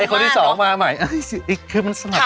ไอ้คนที่สองมาใหม่คือมันสมัครตัวไป